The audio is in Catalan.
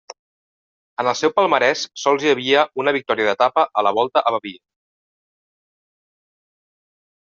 En el seu palmarès sols hi ha una victòria d'etapa a la Volta a Baviera.